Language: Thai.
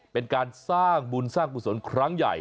เป็นการสร้างบุญสร้างกุศลครั้งใหญ่